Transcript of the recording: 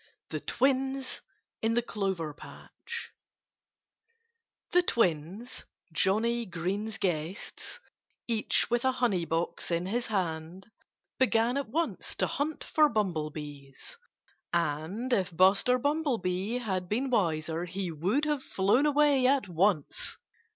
XVI THE TWINS IN THE CLOVER PATCH The twins Johnnie Green's guests each with a honey box in his hand, began at once to hunt for bumblebees. And if Buster Bumblebee had been wiser he would have flown away at once.